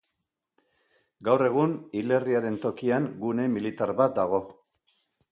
Gaur egun, hilerriaren tokian gune militar bat dago.